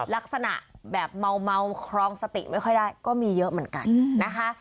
ลักษณะแบบเมาครองสติไม่ค่อยได้ก็มีเยอะเหมือนกันนะคะ